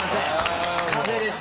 風でした。